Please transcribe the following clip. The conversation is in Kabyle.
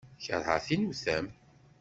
Kerheɣ tinutam.